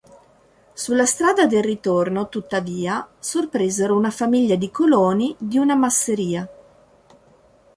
Sulla strada del ritorno, tuttavia, sorpresero una famiglia di coloni di una masseria.